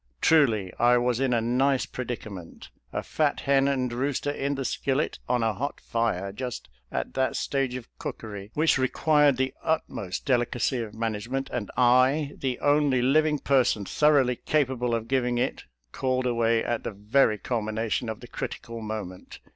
Truly, I was in a nice predicament. A fat hen and rooster in the skillet on a hot fire, just at that stage of cookery which required the ut most delicacy of management, and I, the only living person thoroughly capable of giving it, called away at the very culmination of the crit ical moment.